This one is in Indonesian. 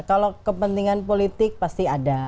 kalau kepentingan politik pasti ada